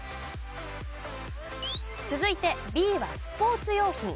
続いてＢはスポーツ用品。